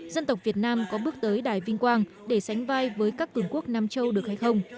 dân tộc việt nam có bước tới đài vinh quang để sánh vai với các cường quốc nam châu được hay không